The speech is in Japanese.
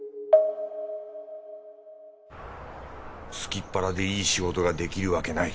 すきっ腹でいい仕事ができるわけない。